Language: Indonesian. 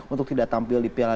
untuk tidak tampil di piala